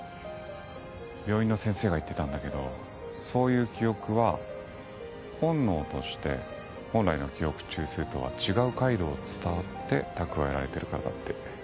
病院の先生が言ってたんだけどそういう記憶は本能として本来の記憶中枢とは違う回路を伝わって蓄えられているからだって。